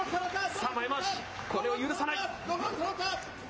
さあ、前まわし、これを許さない。